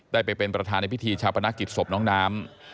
ได้ไปเป็นประธานในพิธีชาปนกิจศพน้องน้ำ